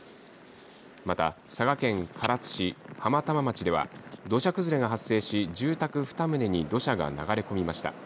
また、佐賀県唐津市浜玉町では土砂崩れが発生し住宅２棟に土砂が流れ込みました。